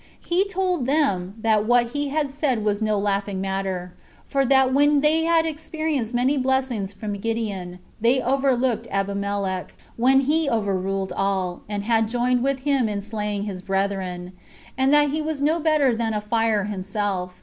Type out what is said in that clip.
He told them, that what he had said was no laughing matter; for that when they had experienced many blessings from Gideon, they overlooked Abimelech, when he overruled all, and had joined with him in slaying his brethren; and that he was no better than a fire himself.